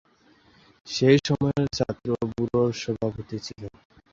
সেই সময়ের ছাত্র ব্যুরোর সভাপতি ছিলেন।